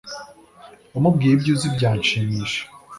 umubwire ibyo uzi byanshimisha